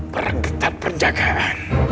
perang tetap penjagaan